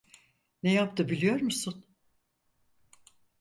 Ne yaptı biliyor musun?